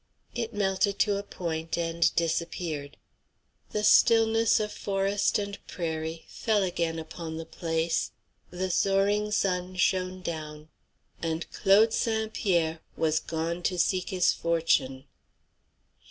It melted to a point and disappeared, the stillness of forest and prairie fell again upon the place, the soaring sun shone down, and Claude St. Pierre was gone to seek his fortune.